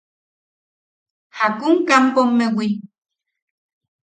–¿Jakun kampomewi?